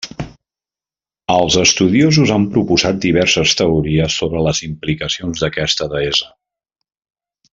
Els estudiosos han proposat diverses teories sobre les implicacions d'aquesta deessa.